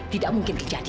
tidak mungkin terjadi